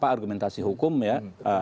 argumentasi hukum ya